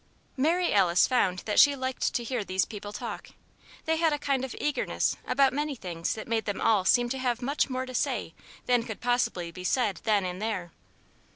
Mary Alice found that she liked to hear these people talk. They had a kind of eagerness about many things that made them all seem to have much more to say than could possibly be said then and there.